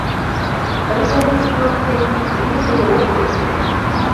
— Тыйым, Степкин, лӱйыде ок лий...